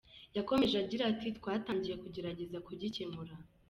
Yakomeje agira ati “Twatangiye kugerageza kugikemura.